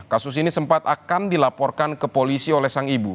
kasus ini sempat akan dilaporkan ke polisi oleh sang ibu